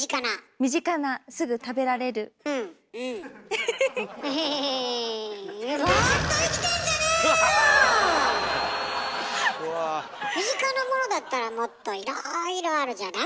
身近なものだったらもっといろいろあるじゃない？